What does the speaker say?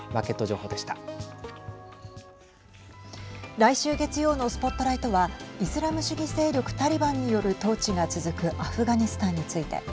来週月曜のＳＰＯＴＬＩＧＨＴはイスラム主義勢力タリバンによる統治が続くアフガニスタンについて。